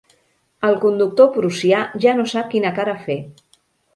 El conductor prussià ja no sap quina cara fer.